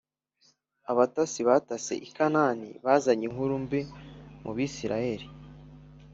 abatasi batase i kanani bazanye inkuru mbi mu bisiraheli